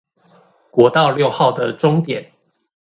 國道六號的終點